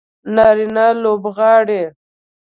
نارینه لوبغاړي